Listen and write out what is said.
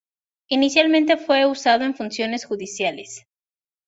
Inicialmente fue usado en funciones judiciales.